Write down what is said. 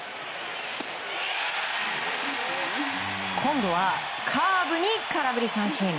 今度はカーブに空振り三振。